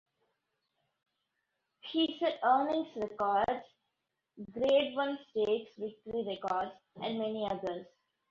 He set earnings records, Grade One stakes victory records, and many others.